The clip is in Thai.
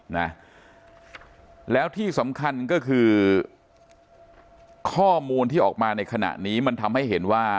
นะแล้วที่สำคัญก็คือข้อมูลที่ออกมาในขณะนี้มันทำให้เห็นว่า